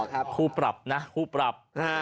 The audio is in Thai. คู่ปรับนะคู่ปรับ